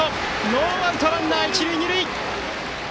ノーアウトランナー、一塁二塁。